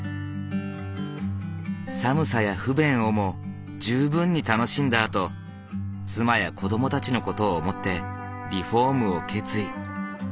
寒さや不便をも十分に楽しんだあと妻や子どもたちの事を思ってリフォームを決意。